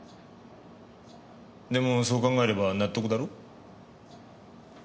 でもそう考えれば納得だろ？